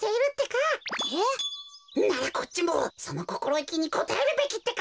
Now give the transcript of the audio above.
ならこっちもそのこころいきにこたえるべきってか！